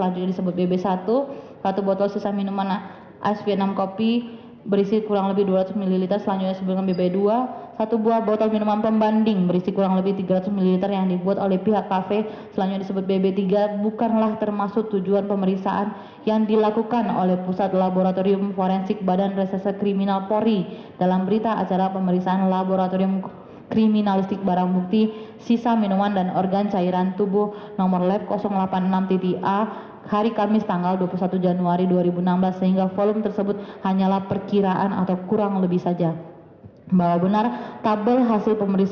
cnn indonesia breaking news